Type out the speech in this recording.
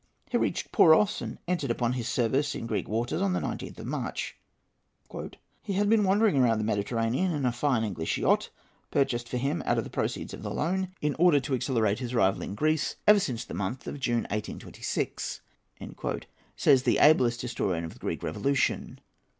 He reached Poros, and entered upon his service in Greek waters, on the 19th of March. "He had been wandering about the Mediterranean in a fine English yacht, purchased for him out of the proceeds of the loan, in order to accelerate his arrival in Greece, ever since the month of June, 1826," says the ablest historian of the Greek Revolution.